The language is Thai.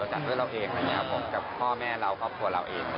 เราจัดเพื่อเราเองกับพ่อแม่เราครอบครัวเราเอง